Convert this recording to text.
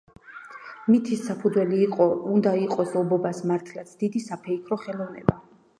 მითის საფუძველი უნდა იყოს ობობას მართლაც „დიდი საფეიქრო ხელოვნება“.